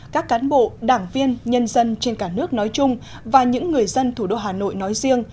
các cán bộ đảng viên nhân dân trên cả nước nói chung và những người dân thủ đô hà nội nói riêng